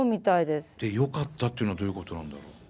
でよかったっていうのはどういうことなんだろう？